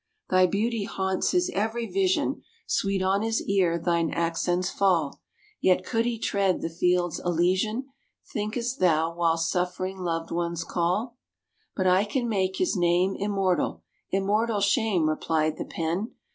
Thy beauty haunts his every vision, Sweet on his ear thine accents fall; Yet could he tread the fields Elysian, Think'st thou, while suffering loved ones call?" "But I can make his name immortal." "Immortal shame!" replied the Pen.